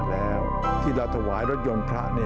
ด้วยความเคารพนะครับพวกเราฆราวะเนี่ยเสียคนมานานแล้ว